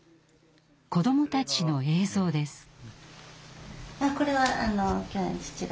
子どもたちの映像です。